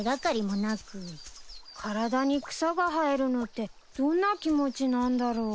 体に草が生えるのってどんな気持ちなんだろう。